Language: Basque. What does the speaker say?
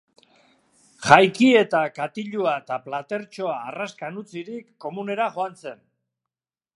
Jaiki eta, katilua eta platertxoa harraskan utzirik, komunera joan zen.